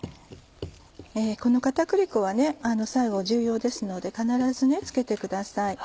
この片栗粉は最後重要ですので必ずつけてください。